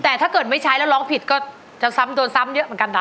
แต่ถ้าเกิดไม่ใช้แล้วร้องผิดก็จะซ้ำโดนซ้ำเยอะเหมือนกันนะ